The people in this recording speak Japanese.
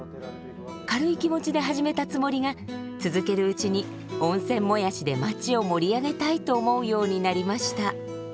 軽い気持ちで始めたつもりが続けるうちに「温泉もやしで町を盛り上げたい」と思うようになりました。